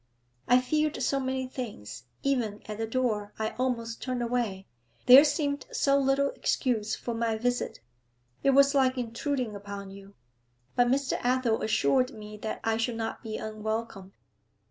'I feared so many things; even at the door I almost turned away. There seemed so little excuse for my visit. It was like intruding upon you. But Mr. Athel assured me that I should not be unwelcome.'